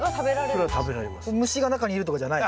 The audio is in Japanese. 虫が中にいるとかじゃない？